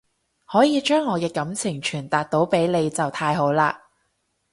可以將我嘅感情傳達到俾你就太好喇